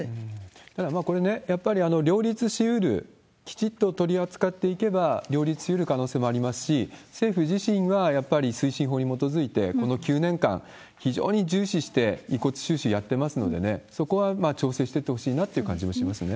だからこれね、やっぱり両立しうる、きちっと取り扱っていけば両立しうる可能性もありますし、政府自身がやっぱり推進法に基づいて、この９年間、非常に重視して遺骨収集やってますので、そこは調整してってほしいなって感じはしますね。